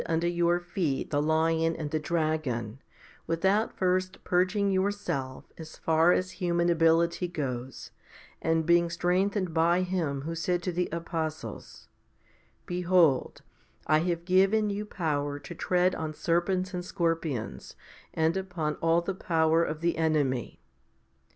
178 HOMILY XXV 179 under your feet the lion and the dragon, without first purging yourself as far as human ability goes, and being strengthened by Him who said to the apostles, Behold, I have given you power to tread on serpents and scorpions, and upon all the power of the enemy.